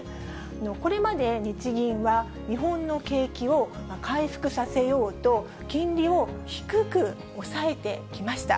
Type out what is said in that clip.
これまで日銀は、日本の景気を回復させようと、金利を低く抑えてきました。